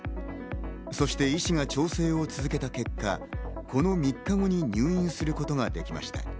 そして医師が調整を続けた結果、この３日後に入院することができました。